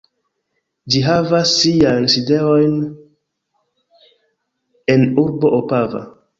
Ĝi havas sian sidejon en urbo Opava.